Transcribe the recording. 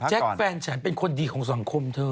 แจ๊คแฟนแฉนเป็นคนดีของสังคมเธอ